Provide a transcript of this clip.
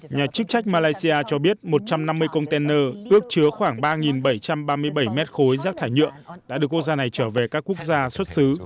nhà chức trách malaysia cho biết một trăm năm mươi container ước chứa khoảng ba bảy trăm ba mươi bảy mét khối rác thải nhựa đã được quốc gia này trở về các quốc gia xuất xứ